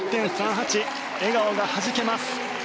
笑顔がはじけます。